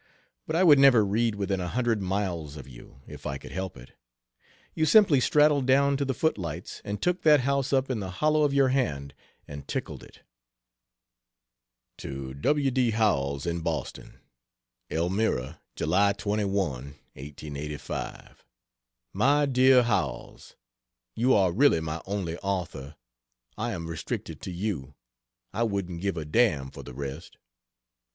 but I would never read within a hundred miles of you, if I could help it. You simply straddled down to the footlights and took that house up in the hollow of your hand and tickled it." To W. D. Howells, in Boston: ELMIRA, July 21, 1885. MY DEAR HOWELLS, You are really my only author; I am restricted to you, I wouldn't give a damn for the rest.